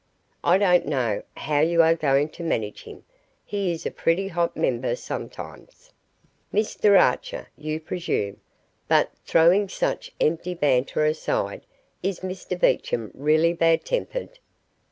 I don't know how you are going to manage him. He is a pretty hot member sometimes." "Mr Archer, you presume! But throwing such empty banter aside, is Mr Beecham really bad tempered?"